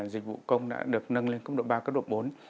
dịch vụ công đã được nâng lên cấp độ ba cấp độ bốn